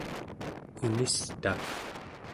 unista